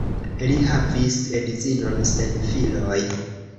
Li havis edzinon sen filoj.